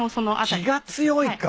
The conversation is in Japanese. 気が強いか。